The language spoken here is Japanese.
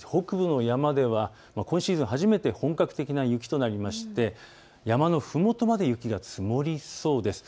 北部の山では今シーズン初めて本格的な雪となりまして山のふもとまで雪が積もりそうです。